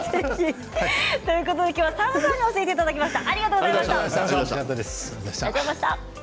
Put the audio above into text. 今日はＳＡＭさんに教えていただきました。